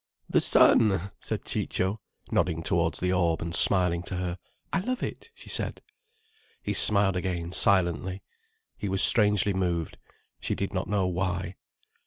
"The sun!" said Ciccio, nodding towards the orb and smiling to her. "I love it," she said. He smiled again, silently. He was strangely moved: she did not know why.